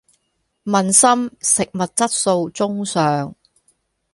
問心食物質素中上